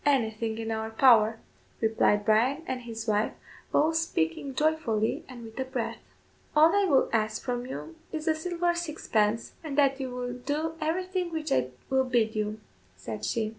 "Anything in our power," replied Bryan and his wife, both speaking joyfully, and with a breath. "All I will ask from you is a silver sixpence, and that you will do everything which I will bid you," said she.